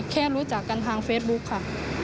รู้จักกันทางเฟซบุ๊คค่ะ